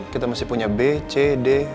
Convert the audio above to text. kita masih punya b c d